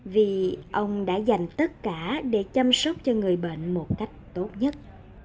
vì ông đã dành tất cả để chăm sóc cho người bệnh một cách tốt nhất